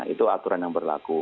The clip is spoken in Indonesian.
itu aturan yang berlaku